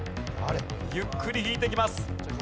ゆっくり引いていきます。